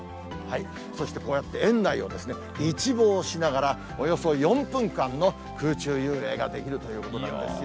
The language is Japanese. そしてこうやって園内を一望しながら、およそ４分間の空中遊泳ができるということなんですよ。